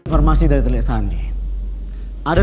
informasi dari ternyata